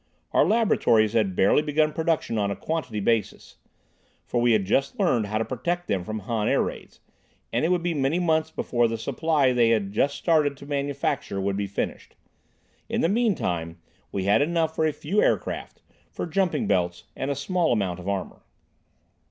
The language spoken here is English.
Our laboratories had barely begun production on a quantity basis, for we had just learned how to protect them from Han air raids, and it would be many months more before the supply they had just started to manufacture would be finished. In the meantime we had enough for a few aircraft, for jumping belts and a small amount of armor.